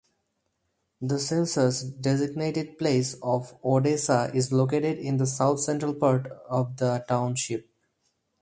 The census-designated place of Odessa is located in the south-central part of the township.